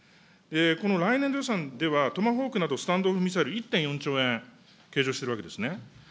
この来年度予算では、トマホークなどスタンド・オフ・ミサイル１．４兆円計上してるわけですね。